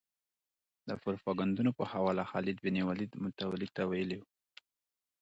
د پروپاګندونو په حواله خالد بن ولید متولي ته ویلي.